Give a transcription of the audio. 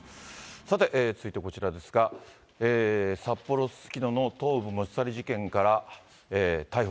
さて、続いてこちらですが、札幌・すすきのの頭部持ち去り事件から逮捕